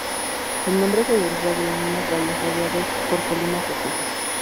El nombre se deriva de unos valles rodeados por colinas rocosas.